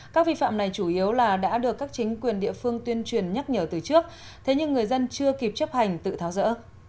các vi phạm này chủ yếu là đã được các chính quyền địa phương tuyên truyền nhắc nhở từ trước thế nhưng người dân chưa kịp chấp hành tự tháo rỡ